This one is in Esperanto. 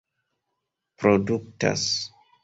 produktas